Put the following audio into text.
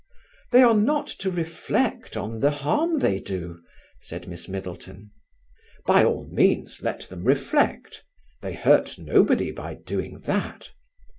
"They are not to reflect on the harm they do?" said Miss Middleton. "By all means let them reflect; they hurt nobody by doing that."